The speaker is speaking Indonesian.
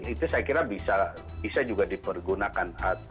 itu saya kira bisa juga dipergunakan